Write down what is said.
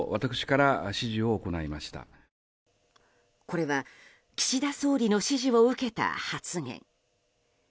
これは岸田総理の指示を受けた発言。